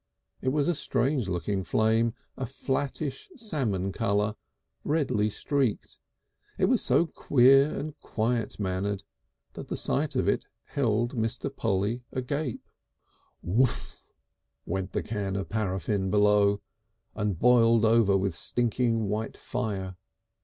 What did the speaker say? It was a strange looking flame, a flattish salmon colour, redly streaked. It was so queer and quiet mannered that the sight of it held Mr. Polly agape. "Whuff!" went the can of paraffine below, and boiled over with stinking white fire.